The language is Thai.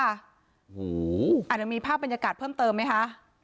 เดี๋ยวมีภาพบรรยากาศเพิ่มเติมไหมคะ